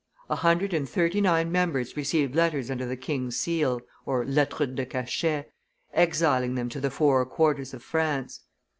A hundred and thirty nine members received letters under the king's seal (lettres de cachet), exiling them to the four quarters of France.